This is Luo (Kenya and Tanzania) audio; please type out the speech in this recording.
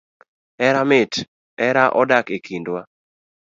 Hera mit, hera odak ekindwa